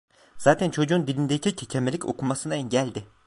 Zaten çocuğun dilindeki kekemelik, okumasına engeldi.